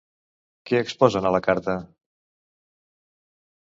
Què exposen a la carta?